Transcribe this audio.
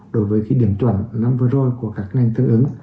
đối với điểm chuẩn năm vừa rồi của các ngành tương ứng